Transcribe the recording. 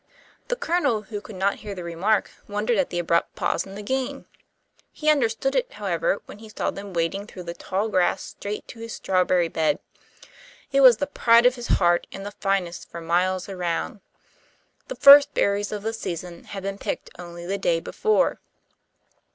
The Colonel, who could not hear the remark, wondered at the abrupt pause in the game. He understood it, however, when he saw them wading through the tall grass, straight to his strawberry bed. It was the pride of his heart, and the finest for miles around. The first berries of the season had been picked only the day before.